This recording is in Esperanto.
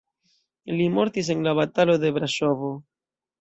Li mortis en la batalo de Braŝovo.